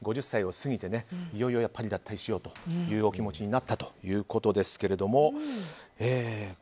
５０歳を過ぎていよいよやっぱり脱退しようというお気持ちになったということですが。